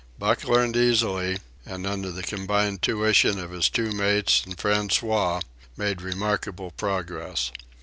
Buck learned easily, and under the combined tuition of his two mates and François made remarkable progress.